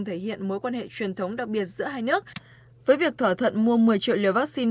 thể hiện mối quan hệ truyền thống đặc biệt giữa hai nước với việc thỏa thuận mua một mươi triệu liều vaccine